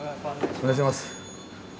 お願いします。